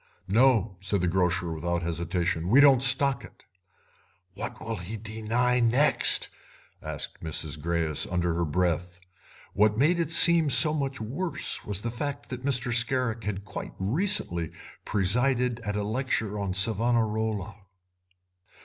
"No," said the grocer, without hesitation, "we don't stock it." "What will he deny next?" asked Mrs. Greyes under her breath. What made it seem so much worse was the fact that Mr. Scarrick had quite recently presided at a lecture on Savonarola.